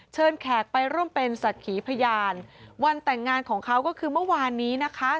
แขกไปร่วมเป็นศักดิ์ขีพยานวันแต่งงานของเขาก็คือเมื่อวานนี้นะคะ